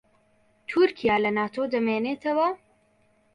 تورکیا لە ناتۆ دەمێنێتەوە؟